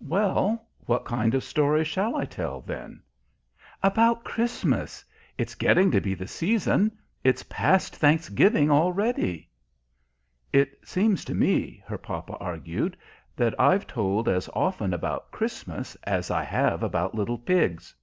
"Well, what kind of story shall I tell, then?" "About Christmas. It's getting to be the season. It's past Thanksgiving already." "It seems to me," her papa argued, "that I've told as often about Christmas as I have about little pigs."